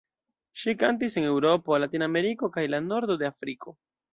Ŝi kantis en Eŭropo, Latinameriko kaj la nordo de Afriko.